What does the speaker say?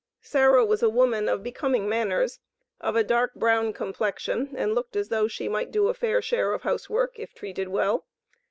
Sarah was a woman of becoming manners, of a dark brown complexion, and looked as though she might do a fair share of housework, if treated well.